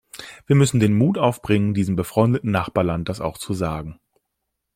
Wir müssen den Mut aufbringen, diesem befreundeten Nachbarland das auch zu sagen.